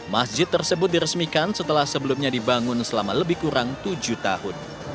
masjid tersebut diresmikan setelah sebelumnya dibangun selama lebih kurang tujuh tahun